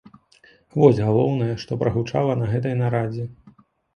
Вось галоўнае, што прагучала на гэтай нарадзе.